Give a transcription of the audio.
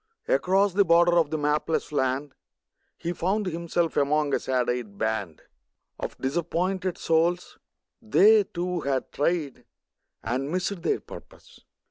Across the border of the mapless land He found himself among a sad eyed band Of disappointed souls; they, too, had tried And missed their purpose.